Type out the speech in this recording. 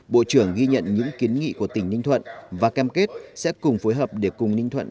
bộ trưởng ghi nhận những kiến nghị của tỉnh ninh thuận và cam kết sẽ cùng phối hợp để cùng ninh thuận